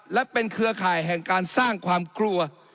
และเป็นเครือข่ายแห่งการสร้างความกลัว